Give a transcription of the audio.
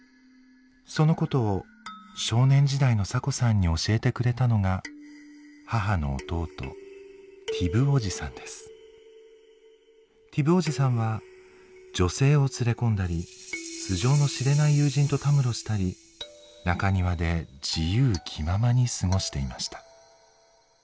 そのことを少年時代のサコさんに教えてくれたのが母の弟ティブおじさんは女性を連れ込んだり素性の知れない友人とたむろしたり中庭で自由気ままに過ごしていました。